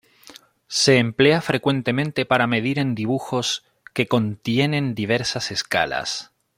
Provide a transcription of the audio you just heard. Se emplea frecuentemente para medir en dibujos que contienen diversas escalas.